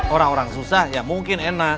orang orang susah ya mungkin enak